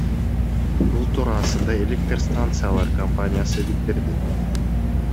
Бул туурасында Электр станциялар компаниясы билдирди.